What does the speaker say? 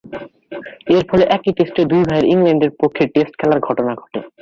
এরফলে, একই টেস্টে দুই ভাইয়ের ইংল্যান্ডের পক্ষে টেস্টে খেলার ঘটনা ঘটে।